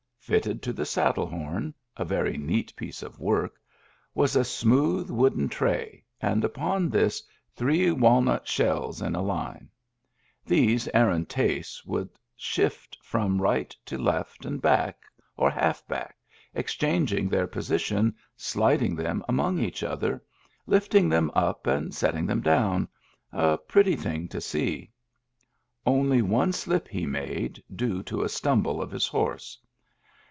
Fitted to the saddle horn (a very neat piece of work) was a smooth, wooden tray, and upon this three walnut shells in a line. These Aaron Tace would shift from right to left and back, or half back, exchanging their posi tions, sliding them among each other, lifting them up and setting them down — a pretty thing to see. Only one slip he made, due to a stumble of his horse.